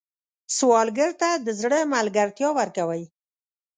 سوالګر ته د زړه ملګرتیا ورکوئ